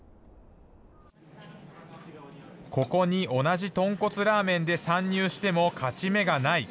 ここに同じ豚骨ラーメンで参入しても勝ち目がない。